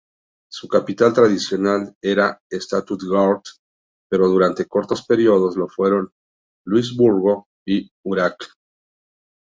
Su capital tradicional era Stuttgart, pero durante cortos períodos lo fueron Luisburgo y Urach.